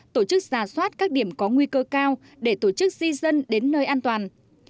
tổ chức xà xoát các điểm có nguy cơ cao để tổ chức di dân đến nơi an toàn